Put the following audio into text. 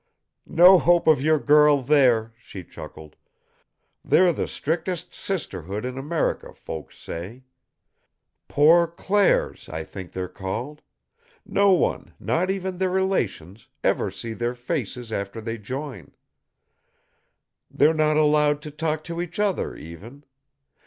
"No hope of your girl there," she chuckled. "They're the strictest sisterhood in America, folks say. Poor Clares, I think they're called. No one, not even their relations, ever see their faces after they join. They're not allowed to talk to each other, even.